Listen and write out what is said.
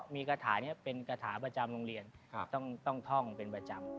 มีกระถานี้เป็นกระถาประจำโรงเรียนต้องท่องเป็นประจำ